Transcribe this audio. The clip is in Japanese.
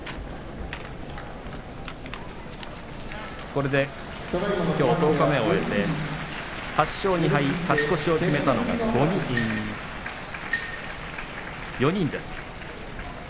これできょう十日目を終えて８勝２敗、勝ち越しを決めたのが４人です。